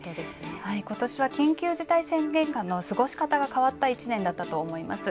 ことしは緊急事態宣言下の過ごし方が変わった１年だったと思います。